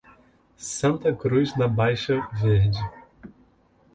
Santa Cruz da Baixa Verde